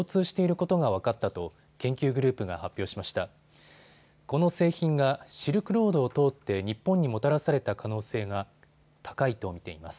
この製品がシルクロードを通って日本にもたらされた可能性が高いと見ています。